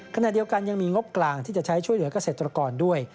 ขณะเดียวกันยังมีงบกลางที่จะใช้ช่วยเหลือกเกษตรกรด้วย